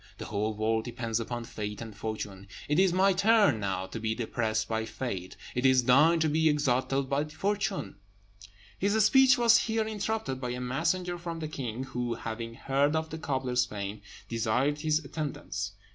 The whole world depends upon fate and fortune. It is my turn now to be depressed by fate; it is thine to be exalted by fortune." His speech was here interrupted by a messenger from the king, who, having heard of the cobbler's fame, desired his attendance.